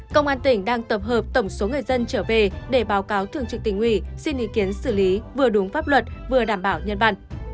công an tỉnh đang tập hợp tổng số người dân trở về để báo cáo thường trực tỉnh ủy xin ý kiến xử lý vừa đúng pháp luật vừa đảm bảo nhân văn